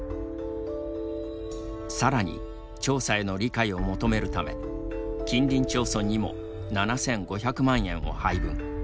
さらに調査への理解を求めるため近隣町村にも７５００万円を配分。